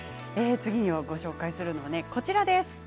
次に、ご紹介するのはこちらです。